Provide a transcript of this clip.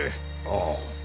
ああ。